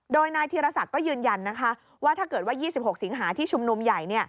โดยนายธีรศักดิ์ก็ยืนยันนะคะว่าถ้าเกิดว่า๒๖สิงหาที่ชุมนุมใหญ่